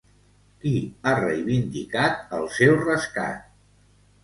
Qui ha reivindicat el seu rescat?